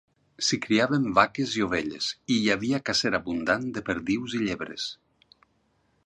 S'hi criaven vaques i ovelles, i hi havia cacera abundant de perdius i llebres.